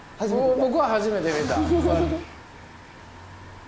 僕は初めて見た。